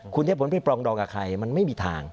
คุณเยฟนพรินปรองดองกับใครมันไม่มีทาง